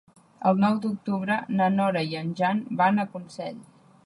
El nou d'octubre na Nora i en Jan van a Consell.